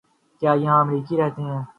کیا یہاں امریکی رہتے ہیں؟